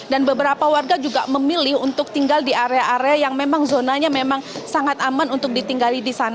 dan beberapa warga juga memilih untuk tinggal di area area yang memang zonanya memang sangat aman untuk ditinggal